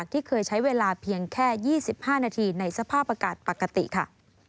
ที่เคยใช้เวลาเพียงแค่๒๕นาทีในสภาพอากาศปกติค่ะ